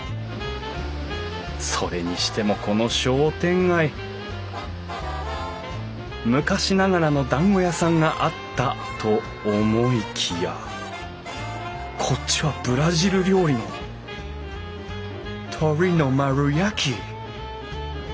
それにしてもこの商店街昔ながらのだんご屋さんがあったと思いきやこっちはブラジル料理の鶏の丸焼き！